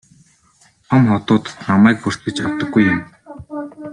Том хотуудад намайг бүртгэж авдаггүй юм.